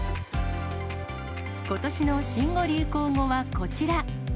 ことしの新語・流行語はこちら。